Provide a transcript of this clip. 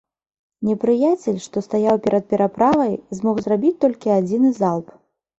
Непрыяцель, што стаяў перад пераправай, змог зрабіць толькі адзіны залп.